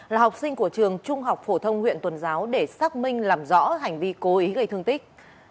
là học sinh của trường trung học phổ thông huyện tuần giáo để xác minh làm rõ hành vi cố ý gây thương tích